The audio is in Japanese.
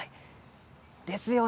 ですよね。